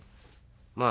まあ